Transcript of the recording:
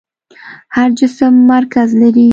هر جسم مرکز لري.